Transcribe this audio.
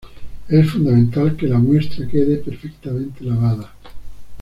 Es fundamental que la muestra quede perfectamente lavada.